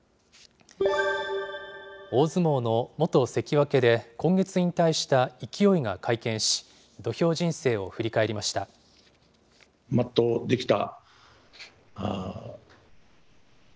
大相撲の元関脇で、今月引退した勢が会見し、土俵人生を振り返りました。